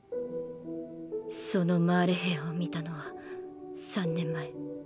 そのマーレ兵を見たのは３年前。